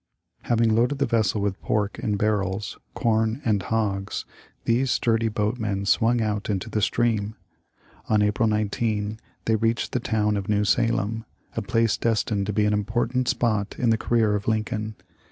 Having loaded the vessel with pork in barrels, corn, and hogs, these sturdy boatmen swung out into the stream. On April 19 they reached the town of New Salem, a place destined to be an important spot in the career of Lincoln.